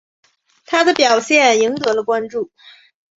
他的表现赢得了关注。